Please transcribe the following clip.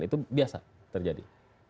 itu biasa terjadi